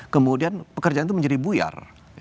kemudian pekerjaan itu menjadi buyar